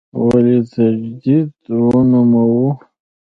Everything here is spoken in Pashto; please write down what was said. ولې تجدید ونوموو.